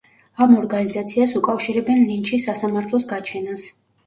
ამ ორგანიზაციას უკავშირებენ ლინჩის სასამართლოს გაჩენას.